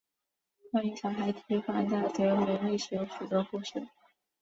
关于小孩堤防的得名历史有许多故事。